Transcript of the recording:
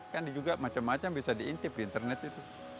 kan juga macam macam bisa diintip di internet itu